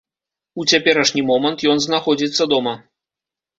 У цяперашні момант ён знаходзіцца дома.